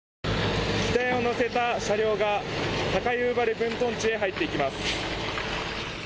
機体を載せた車両が、高遊原分屯地へ入っていきます。